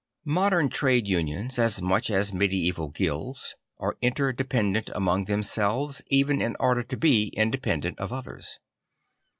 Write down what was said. Modern trade unions as much as medieval guilds are interdependent among themselves even in order to be independent of others.